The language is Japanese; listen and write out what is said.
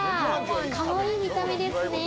かわいい見た目ですね！